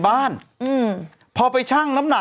ดื่มน้ำก่อนสักนิดใช่ไหมคะคุณพี่